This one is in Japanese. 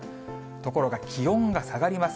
ところが気温が下がります。